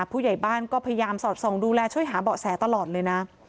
ผู้ใหญ่บ้านก็พยายามสอดส่องดูแลช่วยหาเบาะแสตลอดเลยนะ